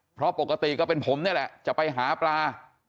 เพราะปกติก็เป็นผมนี่แหละจะไปหาปลา